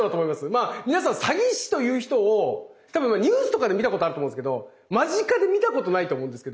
まあ皆さん詐欺師という人をたぶんニュースとかで見たことあると思うんですけど間近で見たことないと思うんですけど。